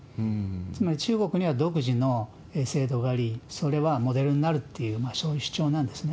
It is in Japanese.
つまり中国には独自の制度があり、それはモデルになるっていう、そういう主張なんですね。